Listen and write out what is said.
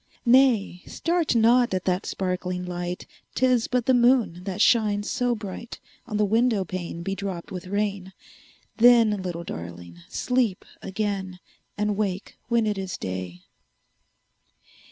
10 Nay! start not at that sparkling light; 'Tis but the moon that shines so bright On the window pane bedropped with rain: Then, little Darling! sleep again, And wake when it is day.